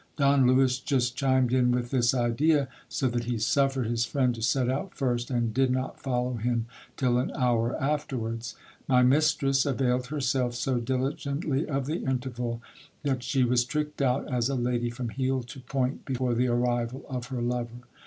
Don Lewis just AURORA IS MARRIED TO DON LEWIS PACHECO. 145 chimed in with this idea, so that he suffered his friend to set out first, and did not follow him till an hour afterwards. My mistress availed herself so diligent ly of the interval, that she was tricked out as a lady from heel to point before the arrival of her lover.